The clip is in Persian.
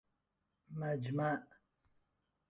مجمع